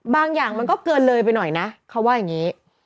อย่างมันก็เกินเลยไปหน่อยนะเขาว่าอย่างนี้